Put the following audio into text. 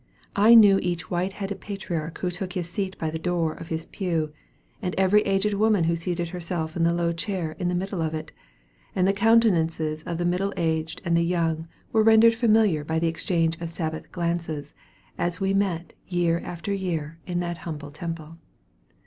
I knew each white headed patriarch who took his seat by the door of his pew, and every aged woman who seated herself in the low chair in the middle of it; and the countenances of the middle aged and the young were rendered familiar by the exchange of Sabbath glances, as we met year after year in that humble temple.